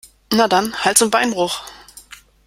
Na dann, Hals- und Beinbruch!